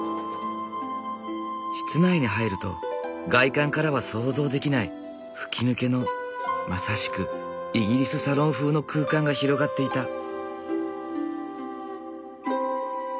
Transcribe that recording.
室内に入ると外観からは想像できない吹き抜けのまさしくイギリスサロン風の空間が広がっていた。